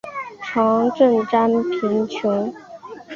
常赈赡贫穷。